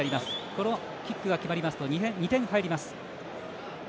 このキックが決まりますと２点、入ります。